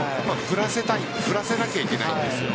振らせないといけないですよ。